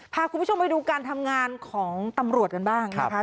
พาคุณผู้ชมไปดูการทำงานของตำรวจกันบ้างนะคะ